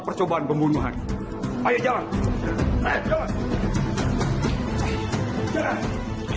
percobaan pembunuhan ayo jalan